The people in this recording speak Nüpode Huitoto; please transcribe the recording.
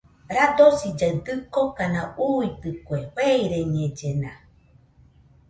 Radosillaɨ dɨkokana uitɨkue, feireñellena.